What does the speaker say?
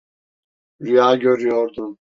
Rüya görüyordun.